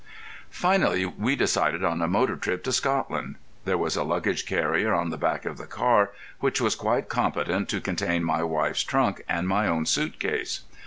Finally we decided on a motor trip to Scotland. There was a luggage carrier on the back of the car which was quite competent to contain my wife's trunk and my own suit case.